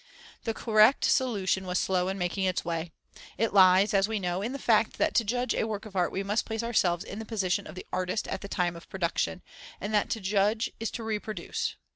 The correct solution was slow in making its way. It lies, as we know, in the fact that to judge a work of art we must place ourselves in the position of the artist at the time of production, and that to judge is to reproduce.